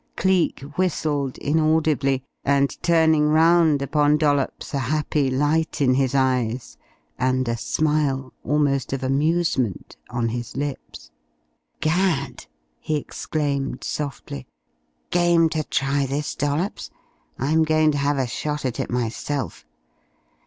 Cleek whistled inaudibly, and turning round upon Dollops a happy light in his eyes and a smile, almost of amusement on his lips. "Gad!" he exclaimed softly. "Game to try this, Dollops. I am going to have a shot at it myself."